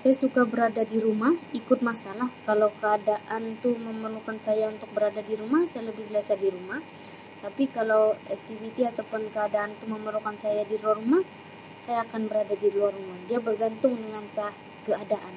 Saya suka berada di rumah, ikut masa lah, kalau keadaan tu memerlukan saya untuk berada di rumah, saya lebih selesa di rumah tapi kalau aktiviti atau pun keadaan tu memerlukan saya di luar rumah, saya akan berada di laur rumah. Dia bergantung dengan keadaan.